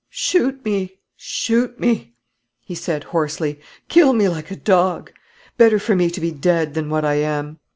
"Shoot me; shoot me," he said hoarsely; "kill me like a dog: better for me to be dead than what I am."